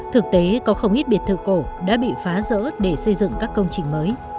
thực tế có không ít biệt thự cổ đã bị phá rỡ để xây dựng các công trình mới